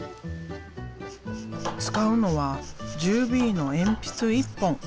使うのは１０Ｂの鉛筆一本。